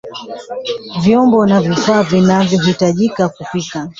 Vyombo na vifaa vinavyohitajika kupikia